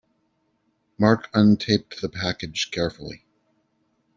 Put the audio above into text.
Mark untaped the package carefully.